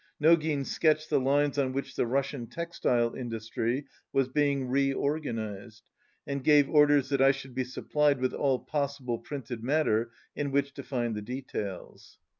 Nogin sketched the lines on which the Russian textile industry was being reorganized, and gave orders that I should be supplied with all possible printed matter in which to find the details.